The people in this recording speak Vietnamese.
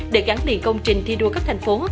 để gắn liền công trình thi đua cấp thành phố